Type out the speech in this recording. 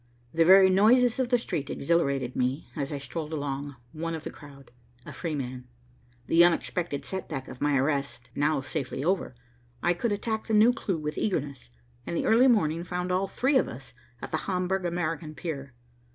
The very noises of the street exhilarated me, as I strolled along, one of the crowd, and a free man. The unexpected setback of my arrest now safely over, I could attack the new clue with eagerness, and the early morning found all three of us at the Hamburg American pier.